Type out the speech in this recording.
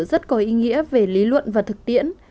rất có ý nghĩa về lý luận và thực tiễn